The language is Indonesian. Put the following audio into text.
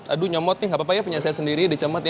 aduh nyemot nih nggak apa apa ya punya saya sendiri dicemot ya